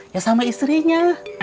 ya sama istrinya